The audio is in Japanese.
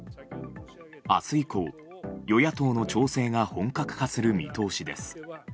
明日以降、与野党の調整が本格化する見通しです。